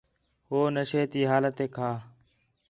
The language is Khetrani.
ہو نشے تی حالتیک ہا